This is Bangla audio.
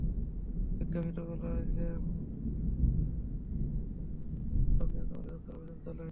বিজ্ঞপ্তিতে বলা হয়, সকালে মোহাম্মদপুর জেনেভা ক্যাম্পে মাদক নিয়ন্ত্রণ অধিদপ্তর অভিযান চালায়।